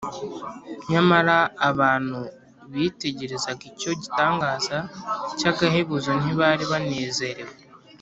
nyamara abantu bitegerezaga icyo gitangaza cy’agahebuzo ntibari banezerewe